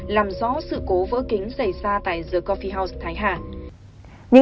làm rõ sự cố vỡ kính xảy ra tại the cophe house thái hà